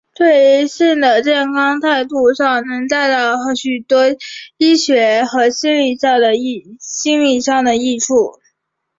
对于性的健康态度能带来许多医学和心里上的益处。